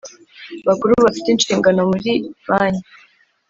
bakuru bafite inshingano muri banki